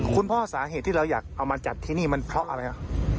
คุณพ่อสาเหตุที่เราอยากเอามาจัดที่นี่มันเพราะอะไรครับ